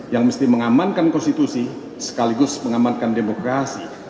yang mesti mengamankan konstitusi sekaligus mengamankan demokrasi